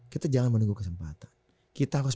kita jangan menunggu kesempatan kita harus